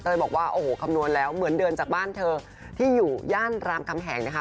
ก็เลยบอกว่าโอ้โหคำนวณแล้วเหมือนเดินจากบ้านเธอที่อยู่ย่านรามคำแหงนะคะ